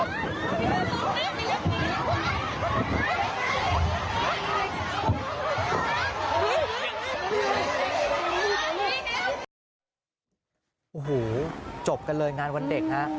โอ้โหจบกันเลยงานวันเด็กฮะ